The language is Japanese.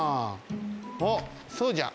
おっそうじゃ。